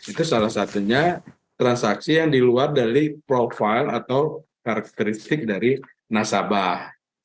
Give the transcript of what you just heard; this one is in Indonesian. itu salah satunya transaksi yang di luar dari profil atau karakteristik dari nasabah